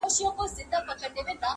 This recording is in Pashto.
ضمير بې قراره پاتې کيږي تل-